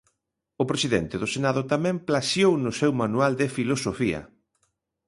O presidente do Senado tamén plaxiou no seu manual de filosofía.